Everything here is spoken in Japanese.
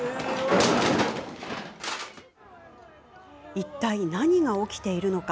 いったい何が起きているのか？